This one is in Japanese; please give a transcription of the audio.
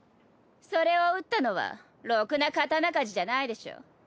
それを打ったのはろくな刀鍛冶じゃないでしょ。